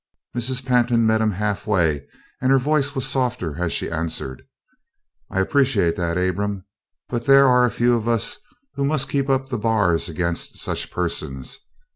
Mrs. Pantin met him half way and her voice was softer as she answered: "I appreciate that, Abram, but there are a few of us who must keep up the bars against such persons.